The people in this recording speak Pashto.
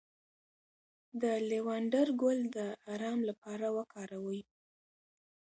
د لیوانډر ګل د ارام لپاره وکاروئ